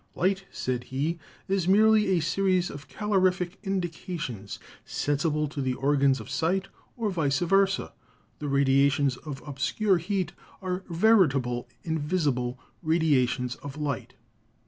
"Light," said he, "is merely a series of calorific indications sensible to the or gans of sight, or vice versa, the radiations of obscure heat are veritable invisible radiations of light."